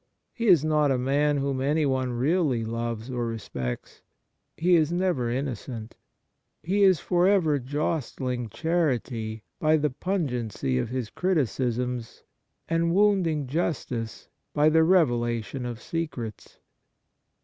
He is not a man whom anyone really loves or respects. He is never innocent. He is for ever jostling charity by the pungency of his criticisms, and wounding justice by the revelation of secrets.